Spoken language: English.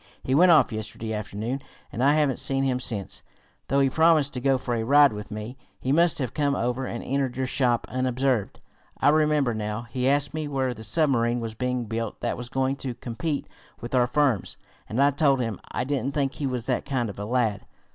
He went off yesterday afternoon, and I haven't seen him since, though he promised to go for a ride with me. He must have come over here and entered your shop unobserved. I remember now he asked me where the submarine was being built that was going to compete with our firm's, and I told him. I didn't think he was that kind of a lad.